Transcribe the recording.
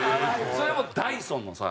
それもダイソンのさ。